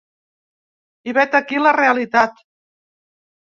I vet aquí la realitat.